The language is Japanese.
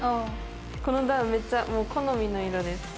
このダウン、めっちゃ好みの色です。